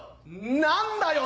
何だよ